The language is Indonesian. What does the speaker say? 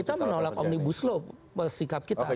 kita menolak omnibus law sikap kita